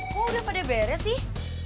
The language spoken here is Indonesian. kok udah pada beres sih